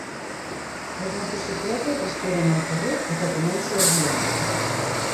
Les motocicletes esperen al carrer a que comenci el viatge.